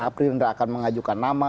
gerindra akan mengajukan nama